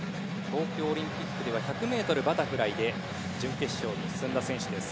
東京オリンピックでは１００ｍバタフライで準決勝に進んだ選手です。